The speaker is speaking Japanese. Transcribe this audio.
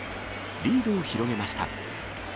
リードを広げました。